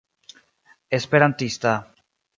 esperantista